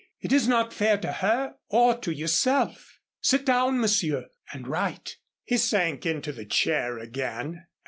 It is not fair to her or to yourself. Sit down, Monsieur, and write." He sank into the chair again.